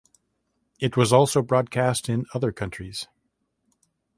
It was also broadcast in other countries.